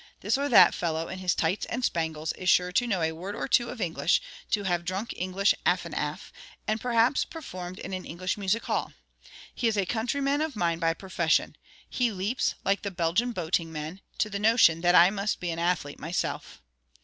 This or that fellow, in his tights and spangles, is sure to know a word or two of English, to have drunk English aff 'n aff, and perhaps performed in an English music hall. He is a countryman of mine by profession. He leaps, like the Belgian boating men, to the notion that I must be an athlete myself.